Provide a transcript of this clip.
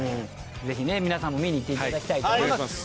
ぜひね皆さんも見に行っていただきたいと思います。